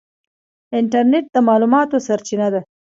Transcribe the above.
انټرنیټ د معلوماتو سرچینه ده.